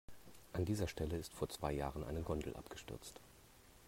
An dieser Stelle ist vor zwei Jahren eine Gondel abgestürzt.